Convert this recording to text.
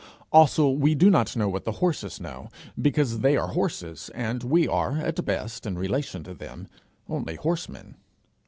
Also, we do not know what the horses know, because they are horses, and we are at best, in relation to them, only horsemen.